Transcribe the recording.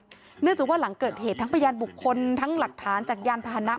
เนื่องจากว่าหลังเกิดเหตุทั้งพยานบุคคลทั้งหลักฐานจากยานพาหนะ